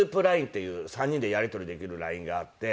ＬＩＮＥっていう３人でやり取りできるＬＩＮＥがあって。